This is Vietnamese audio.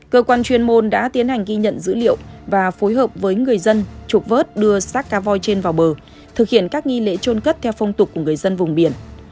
cơ quan chuyên môn đã tiến hành ghi nhận dữ liệu và phối hợp với người dân trục vớt đưa sát cá voi trên vào bờ thực hiện các nghi lễ trôn cất theo phong tục của người dân vùng biển